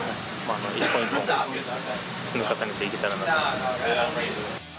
一本一本積み重ねていけたらなと思います。